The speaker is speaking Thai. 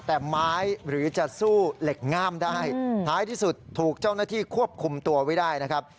แต่ไม้หรือจะสู้เหล็กง่ามได้ท้ายที่สุดถูกเจ้าหน้าที่ควบคุมตัวไว้ได้นะครับ